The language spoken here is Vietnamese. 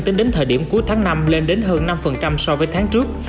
tính đến thời điểm cuối tháng năm lên đến hơn năm so với tháng trước